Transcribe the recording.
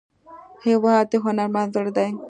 هېواد د هنرمند زړه دی.